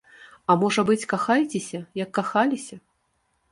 А можа быць, кахайцеся, як кахаліся.